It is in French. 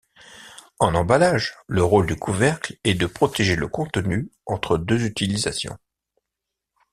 En emballage, le rôle du couvercle est de protéger le contenu entre deux utilisations.